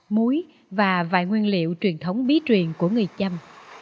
muối và vài nguyên liệu truyền thống bí truyền của người trăm